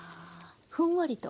ふんわりと。